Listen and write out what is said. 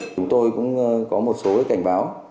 chúng tôi cũng có một số cảnh báo